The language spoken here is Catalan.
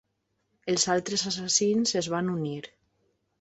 Els altres assassins es van unir.